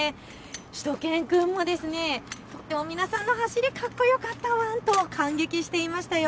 しゅと犬くんも皆さんの走り、かっこよかったワンと感激していましたよ。